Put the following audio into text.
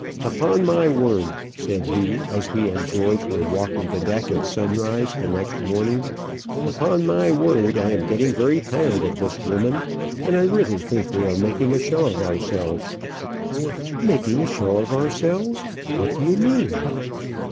"Upon my word," said he, as he and George were walking the deck at sunrise the next morning, "upon my word, I am getting very tired of this woman, and I really think we are making a show of ourselves." "Making a show of ourselves! What do you mean?"